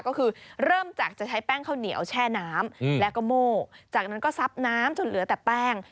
ก็คือเริ่มจากจะใช้แป้งข้าวเหนียวแช่น้ำแล้วก็โม่จากนั้นก็ซับน้ำจนเหลือแต่แป้ง